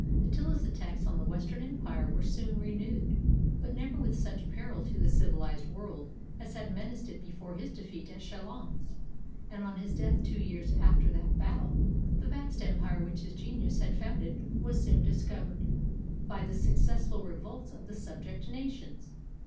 Attila's attacks on the Western Empire were soon renewed, but never with such peril to the civilized world as had menaced it before his defeat at Chalons; and on his death two years after that battle, the vast empire which his genius had foimded was soon dissevered by the 546 HOW THE EMPIRE WAS SAVED successful revolts of the subject nations.